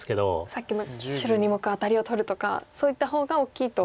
さっきの白２目アタリを取るとかそういった方が大きいと。